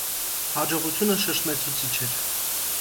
Հաջողությունը շշմեցուցիչ էր։